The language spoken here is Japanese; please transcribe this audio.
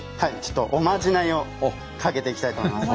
おまじないをかけていきたいと思います。